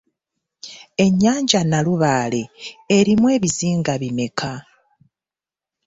Ennyanja Nnalubaale erimu ebizinga bimmeka?